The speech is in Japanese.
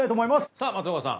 さぁ松岡さん